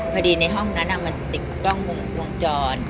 พอดีในห้องนั้นอะมันติดกล้องมุมวงจร